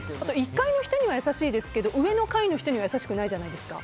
１階の人には優しいですけど上の階の人には優しくないじゃないですか。